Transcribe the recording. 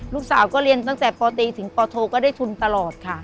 ลูกสาวก็เรียนตั้งแต่ปตีถึงปโทก็ได้ทุนตลอดค่ะ